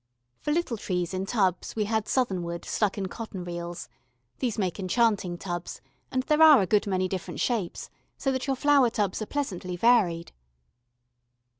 For little trees in tubs we had southernwood stuck in cotton reels these make enchanting tubs, and there are a good many different shapes, so that your flower tubs are pleasantly varied.